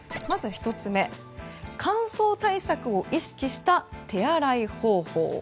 まず１つ目乾燥対策を意識した手洗い方法。